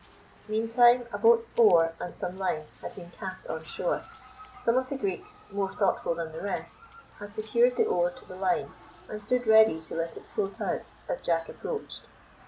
Meantime a boat's oar and some line had been cast on shore. Some of the Greeks, more thoughtful than the rest, had secured the oar to the line, and stood ready to let it float out as Jack approached.